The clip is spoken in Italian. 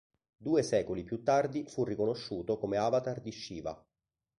Due secoli più tardi fu riconosciuto come avatar di Shiva.